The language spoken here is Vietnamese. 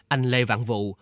anh lê vạn vụ